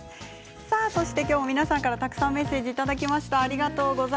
皆さんから、たくさんメッセージいただきました。